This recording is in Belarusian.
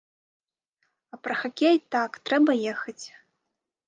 А пра хакей, так, трэба ехаць.